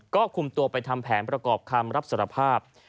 ก็คุมตัวไปทำแผนประกอบคำรับสารภาพ